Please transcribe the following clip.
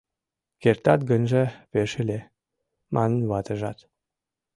— Кертат гынже, пеш ыле, — манын ватыжат.